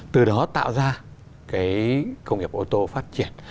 từ đó tạo ra cái công nghiệp ô tô phát triển